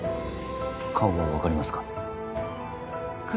顔は分かりますか？